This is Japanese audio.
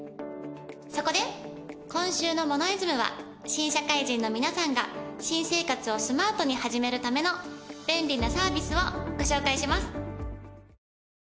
そこで今週の『モノイズム』は新社会人の皆さんが新生活をスマートに始めるための便利なサービスをご紹介します。